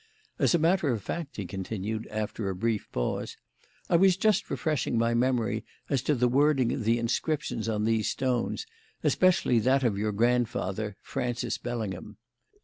As a matter of fact," he continued, after a brief pause, "I was just refreshing my memory as to the wording of the inscriptions on these stones, especially that of your grandfather, Francis Bellingham.